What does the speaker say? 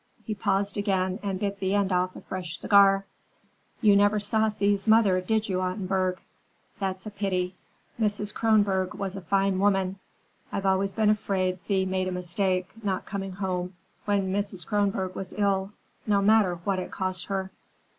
He paused again and bit the end off a fresh cigar. "You never saw Thea's mother, did you, Ottenburg? That's a pity. Mrs. Kronborg was a fine woman. I've always been afraid Thea made a mistake, not coming home when Mrs. Kronborg was ill, no matter what it cost her."